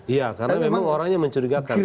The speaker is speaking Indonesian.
iya karena memang orangnya mencurigakan